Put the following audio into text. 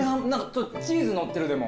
チーズのってるでも。